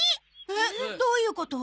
えっ？どういうこと？